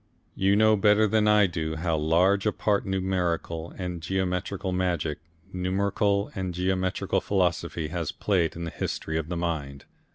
You know better than I do how large a part numerical and geometrical magic, numerical and geometrical philosophy has played in the history of the mind.